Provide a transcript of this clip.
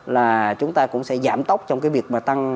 là chúng ta cũng sẽ giảm tốc trong cái việc